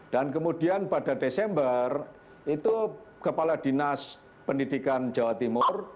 dan kemudian pada desember itu kepala dinas pendidikan jawa timur